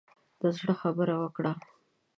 د زړه خبره وکړه.